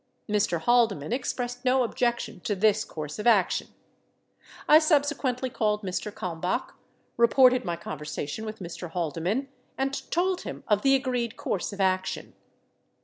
Mr. Haldeman expressed no objection to this course of action. I subsequently called Mr. Kalmbach, reported my conver sation with Mr. Haldeman, and told him of the agreed course of action.